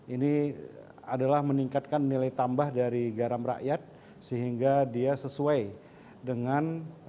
ini adalah meningkatkan nilai tambah dari garam rakyat sehingga dia sesuai dengan